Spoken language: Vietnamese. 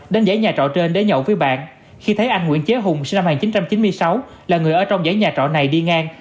đến dãy nhà trọ trên để nhậu với bạn khi thấy anh nguyễn chế hùng sinh năm một nghìn chín trăm chín mươi sáu là người ở trong dãy nhà trọ này đi ngang